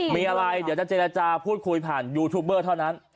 มีอะไรเดี๋ยวจะเจรจาพูดคุยผ่านยูทูบเบอร์เท่านั้น